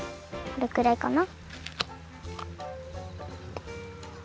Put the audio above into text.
これくらいかな？